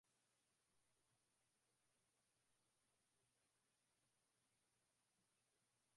Wanawawezesha kwa kuwaletea wataalamu kutoka nje kuwafundisha